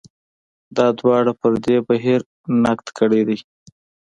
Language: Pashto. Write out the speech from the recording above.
دا دواړو پر دې بهیر نقد کړی دی.